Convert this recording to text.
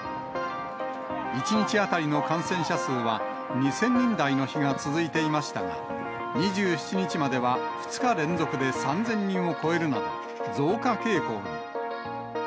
１日当たりの感染者数は２０００人台の日が続いていましたが、２７日までは２日連続で３０００人を超えるなど増加傾向に。